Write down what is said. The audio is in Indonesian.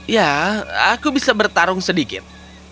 ya aku bisa bertarung sedikit